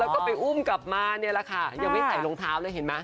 แล้วก็ไปอุ้มกลับมาเนี่ยแหละค่ะยังไม่ใส่รองเท้าเลยเห็นไหม